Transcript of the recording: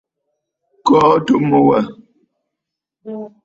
Kɔɔ atu mu wâ.